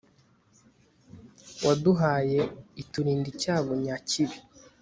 waduhaye, iturinda icyago nyakibi